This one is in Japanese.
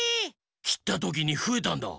きったときにふえたんだ。